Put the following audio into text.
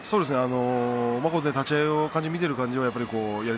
立ち合いを見ている感じはやり